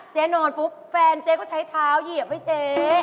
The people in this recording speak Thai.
เจ๊นอนปุ๊บแฟนเจ๊ก็ใช้เท้าเหยียบให้เจ๊